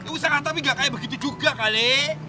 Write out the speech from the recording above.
usaha tapi gak kayak begitu juga kale